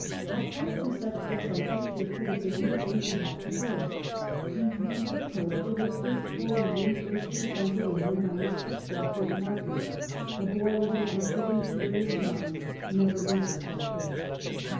Apart from such books, I think there could have been nothing to help the boy. He preserved, how ever, the tliirst for rea<ling first ini] >1 anted in liiin by Mistress AValker at Marton ; a boy with an active and curious mind never loses tliat thirst.